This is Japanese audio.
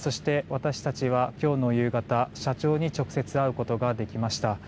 私たちは今日の夕方、社長に直接会うことができました。